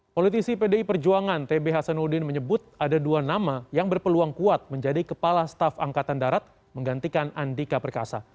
politisi pdi perjuangan tb hasanuddin menyebut ada dua nama yang berpeluang kuat menjadi kepala staf angkatan darat menggantikan andika perkasa